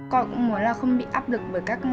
con cũng muốn là không bị áp lực bởi các